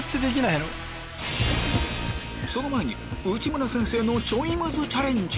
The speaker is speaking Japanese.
その前に内村先生のちょいむずチャレンジ